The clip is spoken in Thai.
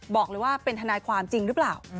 บอกเลยว่าเป็นทนายความจริงหรือเปล่า